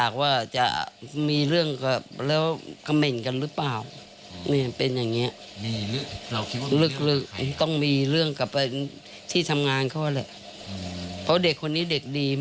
กินราวไม่ดูดบุหรี่เด็กดี